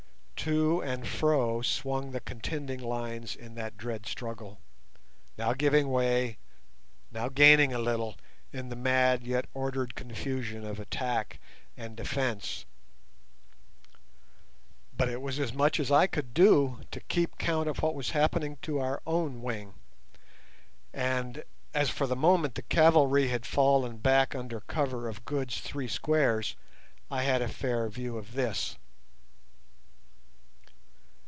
To and fro swung the contending lines in that dread struggle, now giving way, now gaining a little in the mad yet ordered confusion of attack and defence. But it was as much as I could do to keep count of what was happening to our own wing; and, as for the moment the cavalry had fallen back under cover of Good's three squares, I had a fair view of this.